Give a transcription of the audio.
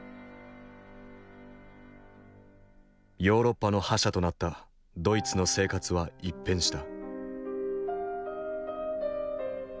ヨーロッパの覇者となったドイツの生活は一変した。